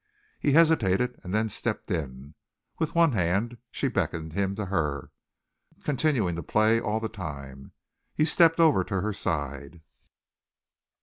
He hesitated and then stepped in. With one hand she beckoned him to her, continuing to play all the time. He stepped over to her side.